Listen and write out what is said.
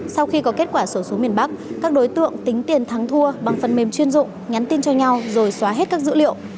sau khi có kết quả số xuống miền bắc các đối tượng tính tiền thắng thua bằng phần mềm chuyên dụng nhắn tin cho nhau rồi xóa hết các dữ liệu